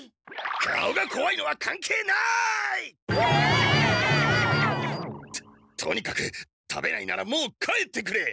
顔がこわいのはかんけいない！わ！ととにかく食べないならもう帰ってくれ！